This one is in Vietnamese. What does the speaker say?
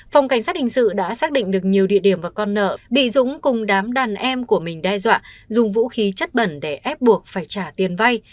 phòng cảnh sát hình sự đã xác định được nhiều địa điểm và con nợ bị dũng cùng đám đàn em của mình đe dọa dùng vũ khí chất bẩn để ép buộc phải trả tiền vay